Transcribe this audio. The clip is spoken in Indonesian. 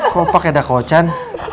kok opa kayak dakau chan